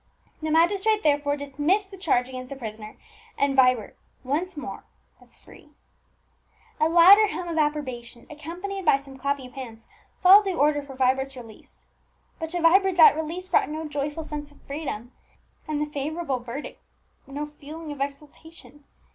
The magistrate therefore dismissed the charge against the prisoner, and Vibert once more was free. A louder hum of approbation, accompanied by some clapping of hands, followed the order for Vibert's release. But to Vibert that release brought no joyful sense of freedom, and the favourable verdict no feeling of exultation.